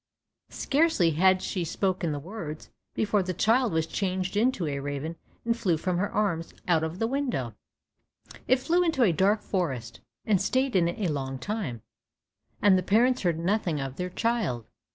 Scarcely had she spoken the words, before the child was changed into a raven, and flew from her arms out of the window. It flew into a dark forest, and stayed in it a long time, and the parents heard nothing of their child.